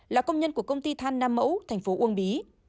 là công nhân của công ty than nam mẫu thành phố uông bí